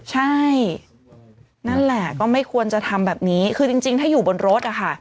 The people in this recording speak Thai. ใช่นั่นแหละก็ไม่ควรจะทำแบบนี้คือจริงถ้าอยู่บนรถอะค่ะ